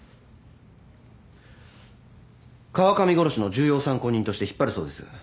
川上殺しの重要参考人として引っ張るそうです。